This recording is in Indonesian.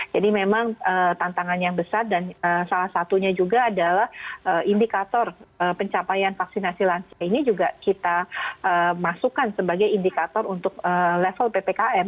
jadi memang tantangan yang besar dan salah satunya juga adalah indikator pencapaian vaksinasi lansia ini juga kita masukkan sebagai indikator untuk level ppkm